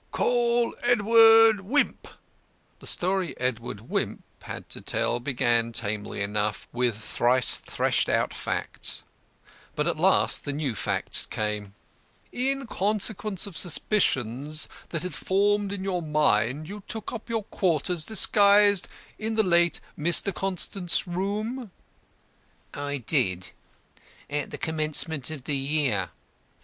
"Call Edward Wimp." The story EDWARD WIMP had to tell began tamely enough with thrice threshed out facts. But at last the new facts came. "In consequence of suspicions that had formed in your mind you took up your quarters, disguised, in the late Mr. Constant's rooms?" "I did; at the commencement of the year.